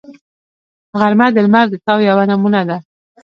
غرمه د لمر د تاو یوه نمونه ده